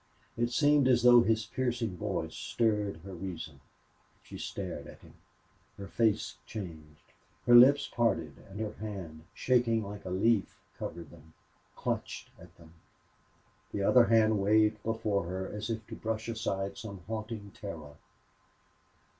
It seemed as though his piercing voice stirred her reason. She stared at him. Her face changed. Her lips parted and her hand, shaking like a leaf, covered them, clutched at them. The other hand waved before her as if to brush aside some haunting terror.